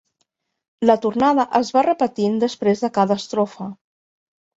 La tornada es va repetint després de cada estrofa.